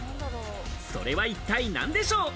それは一体何でしょう？